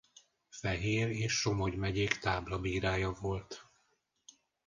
Fehér és Somogy megyék táblabírája volt.